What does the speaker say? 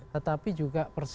tetapi juga persepsi